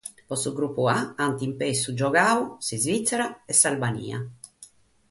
Pro su grupu A ant in pessu giogadu s'Isvìtzera e s'Albania.